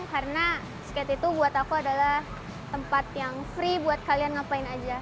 karena skate itu buat aku adalah tempat yang free buat kalian ngapain aja